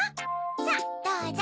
さぁどうぞ。